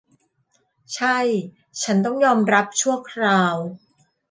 ใช่ฉันต้องยอมรับชั่วคราว